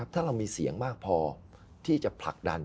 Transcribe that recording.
ถ้าเรามีเสียงมากพอที่จะผลักดัน